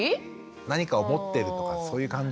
何かを持ってるとかそういう感じ？